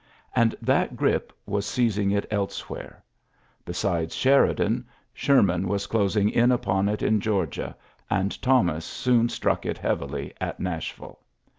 And that grip gi was seizing it elsewhere. Besides Sheri ta dan^ Sherman was closing in upon it tl in Gteorgia^ and Thomas soon struck it heavily at Nashville.